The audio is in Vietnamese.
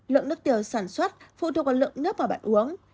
lượng nước tiểu sản xuất phụ thuộc vào lượng nước vào bạn uống